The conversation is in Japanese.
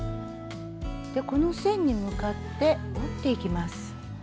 この線に向かって折っていきます。